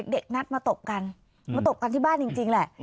เด็กนัดมาตบกันมาตบกันที่บ้านจริงแหละ